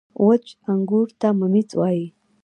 • وچ انګور ته مميز وايي.